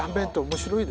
面白い。